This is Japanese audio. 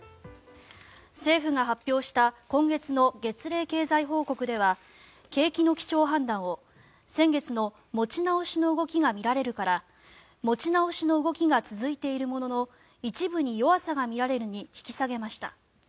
政府が発表した今月の月例経済報告では景気の基調判断を、先月の持ち直しの動きが見られるから持ち直しの動きが続いているものの一部に弱さが見られるに引き下げました。